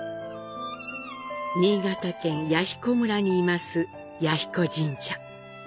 新潟県弥彦村に坐す彌彦神社。